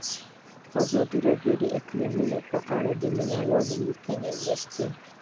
ازادي راډیو د اقلیتونه په اړه د مینه والو لیکونه لوستي.